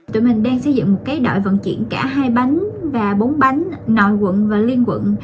tụi mình đang xây dựng một cái đội vận chuyển cả hai bánh và bốn bánh nội quận và liên quận